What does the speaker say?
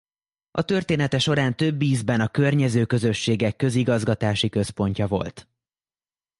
A története során több ízben a környező községek közigazgatási központja volt.